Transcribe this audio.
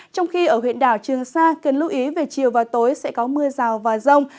trong khi ở huyện đảo trường sa cần lưu ý về chiều và tối sẽ có mưa rào và rông